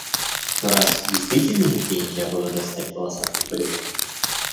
Но раз действительно нигде нельзя было достать полосатых брюк.